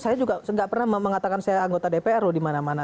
saya juga nggak pernah mengatakan saya anggota dpr loh di mana mana